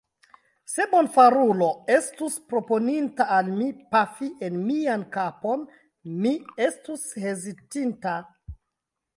Se bonfarulo estus proponinta al mi, pafi en mian kapon, mi estus hezitinta.